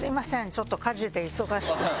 ちょっと家事で忙しくしてまして。